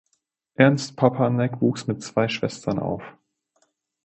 Ernst Papanek wuchs mit zwei Schwestern auf.